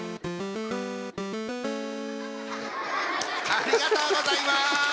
ありがとうございます。